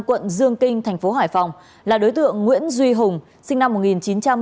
quận dương kinh tp hải phòng là đối tượng nguyễn duy hùng sinh năm một nghìn chín trăm bảy mươi chín hộ khẩu thường trú